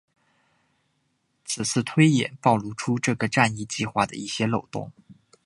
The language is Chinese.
此次推演暴露出了这个战役计划的一些漏洞。